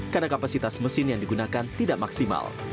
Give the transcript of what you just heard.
karena kapasitas mesin yang digunakan tidak maksimal